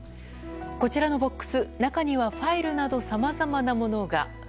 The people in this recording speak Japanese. こちらのボックス中には、ファイルなどさまざまなものが。